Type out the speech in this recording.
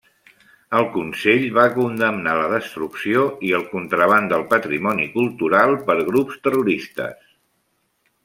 El Consell va condemnar la destrucció i el contraban del patrimoni cultural per grups terroristes.